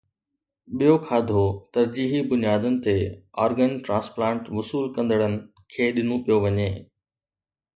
ٻيو کاڌو ترجيحي بنيادن تي آرگن ٽرانسپلانٽ وصول ڪندڙن کي ڏنو پيو وڃي